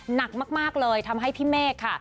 หนักมากเลยทำให้พี่เมฆค่ะ